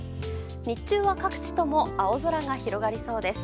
日中は各地とも青空が広がりそうです。